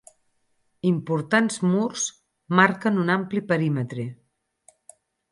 Importants murs marquen un ampli perímetre.